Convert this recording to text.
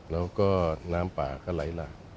แล้วก็น้ำป่าก็ไหลหลาก